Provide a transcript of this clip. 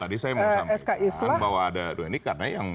tadi saya mau sampaikan bahwa ada dua ini karena yang